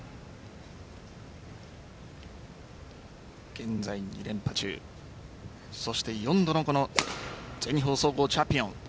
現在、２連覇中そして４度の全日本総合チャンピオン。